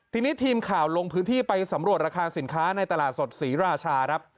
ทีนี้ทีมข่าวลงพื้นที่ไปสำรวจราคาสินค้าในตลาดสดศรีราชาครับ